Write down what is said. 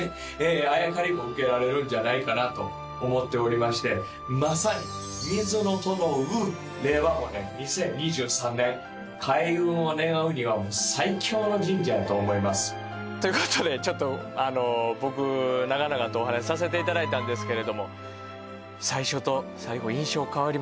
あやかりも受けられるんじゃないかなと思っておりましてまさに癸卯令和５年２０２３年開運を願うにはもう最強の神社やと思いますということでちょっとあの僕長々とお話しさせていただいたんですけれども最初と最後印象変わりました？